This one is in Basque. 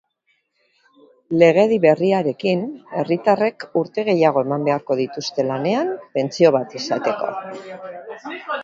Legedi berriarekin, herritarrek urte gehiago eman beharko dituzte lanean pentsio bat izateko.